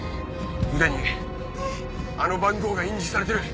腕にあの番号が印字されてる。